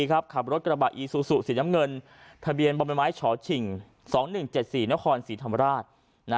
ขับรถกระบะอีซูซูสีน้ำเงินทะเบียนบไม้ฉอฉิง๒๑๗๔นครศรีธรรมราช